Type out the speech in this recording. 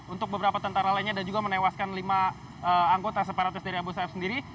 untuk beberapa tentara lainnya dan juga menewaskan lima anggota separatis dari abu sayyaf sendiri